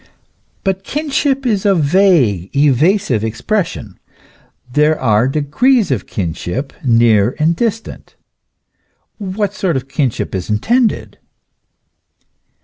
But kinship is a vague, evasive expres sion. There are degrees of kinship, near and distant. What sort of kinship is intended